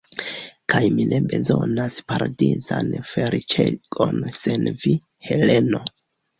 Kaj mi ne bezonas paradizan feliĉegon sen vi, Heleno.